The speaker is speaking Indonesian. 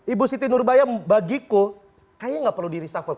ibu siti nurbaya bagiku kayaknya gak perlu diresuffle